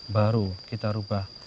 baru kita ubah